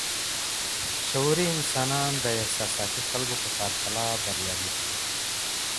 شعوري انسانان د احساساتي خلګو په پرتله بريالي دي.